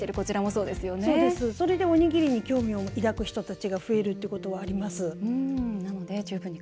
それで、おにぎりに興味を抱く人が増えるということはあります。